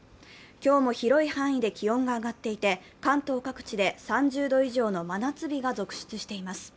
今日も広い範囲で気温が上がっていて、関東各地で３０度以上の真夏日が続出しています。